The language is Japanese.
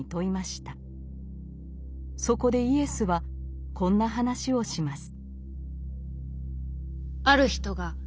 そこでイエスはこんな話をします。